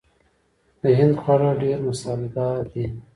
د هند خواړه ډیر مساله دار دي.